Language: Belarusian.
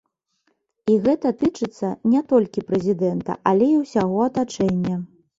І гэта тычыцца не толькі прэзідэнта, але і ўсяго атачэння.